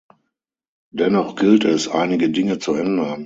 Dennoch gilt es, einige Dinge zu ändern.